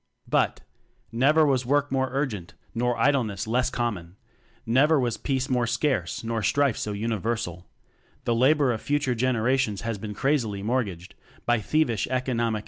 But ..! Never was work more urgent nor idleness less com mon; rjever was peace more scarce nor strife so universal; the labor of future generations has been crazily "mort gaged" by thievish "economic"